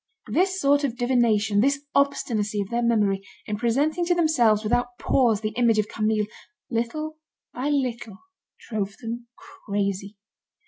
This sort of divination, this obstinacy of their memory in presenting to themselves without pause, the image of Camille, little by little drove them crazy.